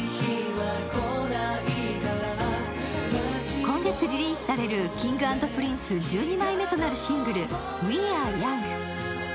今月リリースされるＫｉｎｇ＆Ｐｒｉｎｃｅ１２枚目となるシングル、「Ｗｅａｒｅｙｏｕｎｇ」。